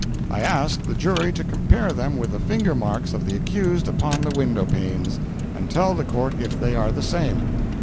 I ask the jury to compare them with the finger marks of the accused upon the window panes, and tell the court if they are the same."